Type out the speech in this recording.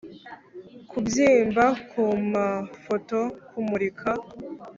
kubyimba ku mafoto, kumurika